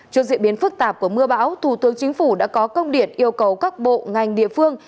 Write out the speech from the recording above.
trước diễn biến phức tạp của mưa bão thủ tướng chính phủ đã có công điện yêu cầu các bộ ngành địa phương